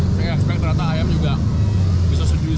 saya nggak ekspek ternyata ayam juga bisa sedusi ini